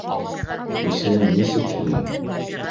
Исемең нисек һинең?